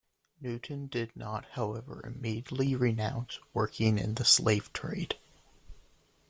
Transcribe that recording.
Newton did not however immediately renounce working in the slave trade.